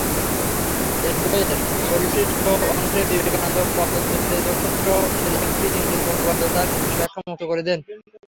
এই বইয়ের পরিশিষ্ট অংশে বিবেকানন্দ পতঞ্জলির "যোগসূত্র"-এর একটি ইংরেজি অনুবাদ ও তার নিজস্ব ব্যাখ্যা যুক্ত করে দেন।